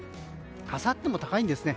あさっても高いんですね。